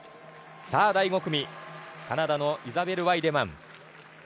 第５組、カナダのイザベル・ワイデマン。